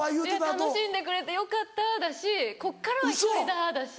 楽しんでくれてよかっただしこっからは１人だだし